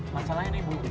masalahnya nih bu